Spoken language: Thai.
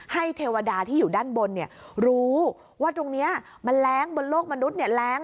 เทวดาที่อยู่ด้านบนรู้ว่าตรงนี้มันแรงบนโลกมนุษย์แร้ง